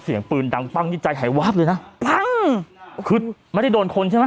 พอเสียงปืนดังตั้งในใจไหว้วับดเลยน่ะคือไม่ได้โดนคนใช่มะ